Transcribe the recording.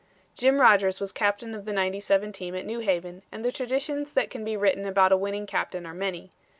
Jim Rodgers was captain of the '97 team at New Haven, and the traditions that can be written about a winning captain are many.